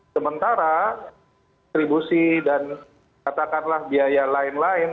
sementara distribusi dan katakanlah biaya lain lain